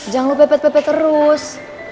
jangan lupa pepet pepet terus